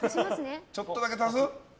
ちょっとだけ足す？